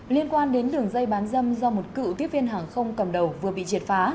liên quan đến đường dây bán dâm do một cựu tiếp viên hàng không cầm đầu vừa bị triệt phá